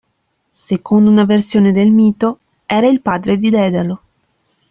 Secondo una versione del mito era il padre di Dedalo.